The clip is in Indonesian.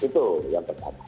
itu yang pertama